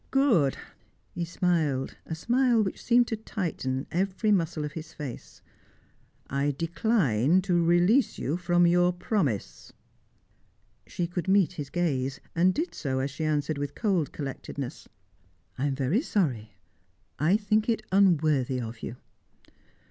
"Good." He smiled, a smile which seemed to tighten every muscle of his face. "I decline to release you from your promise." She could meet his gaze, and did so as she answered with cold collectedness: "I am very sorry. I think it unworthy of you."